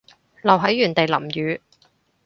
留喺原地淋雨